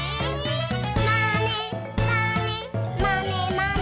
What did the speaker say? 「まねまねまねまね」